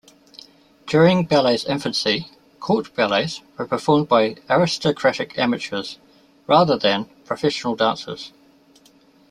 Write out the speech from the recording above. During ballet's infancy, court ballets were performed by aristocratic amateurs rather than professional dancers.